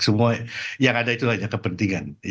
semua yang ada itu hanya kepentingan